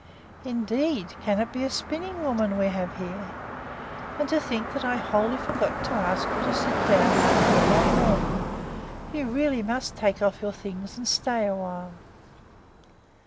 "Indeed! Can it be a spinning woman we have here? And to think that I wholly forgot to ask you to sit down after your long walk! You really must take off your things and stay awhile."